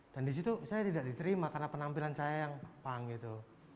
dan disitu saya tidak diterima karena penampilan saya yang punk gitu